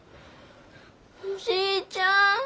おじいちゃん。